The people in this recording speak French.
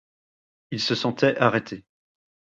Il se sentait arrêté.